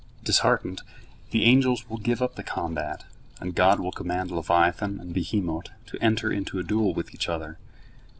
Disheartened, the angels will give up the combat, and God will command leviathan and behemot to enter into a duel with each other.